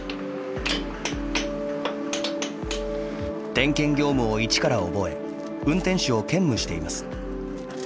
点検業務を一から覚え運転手を兼務しています。